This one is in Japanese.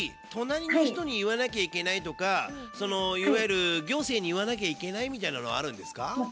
隣の人に言わなきゃいけないとかいわゆる行政に言わなきゃいけないみたいなのはあるんですか？